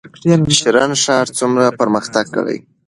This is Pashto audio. شرن ښار څومره پرمختګ کړی؟